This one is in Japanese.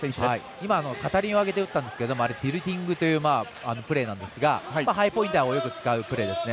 今、片輪をかけて打ったんですがティルティングというプレーなんですがハイポインターがよく使うプレーですね。